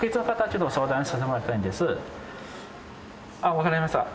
分かりました。